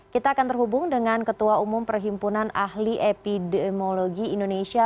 kita akan terhubung dengan ketua umum perhimpunan ahli epidemiologi indonesia